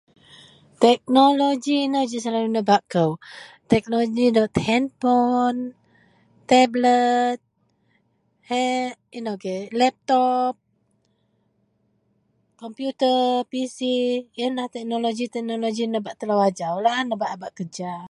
teknologi inou ji selalu nebak kou, teknologi handpon, tablet heh inou agei laptop, komputer, pc ienlah teknologi-teknologi nebak telo ajaulah nebak a bak kerja